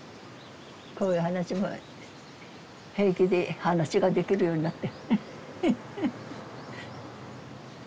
こういう話も平気で話ができるようになって。